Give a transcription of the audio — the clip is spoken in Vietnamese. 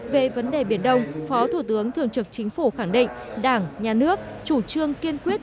về vấn đề biển đông phó thủ tướng thường trực chính phủ khẳng định đảng nhà nước chủ trương kiên quyết